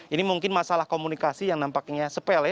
ini mungkin masalah komunikasi yang nampaknya sepele